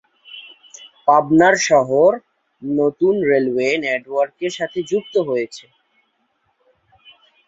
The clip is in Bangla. পাবনা শহর নতুন রেলওয়ে নেটওয়ার্কের সাথে যুক্ত হয়েছে।